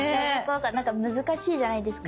なんか難しいじゃないですか。